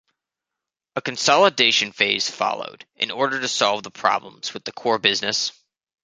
A consolidation phase followed, in order to solve the problems with the core business.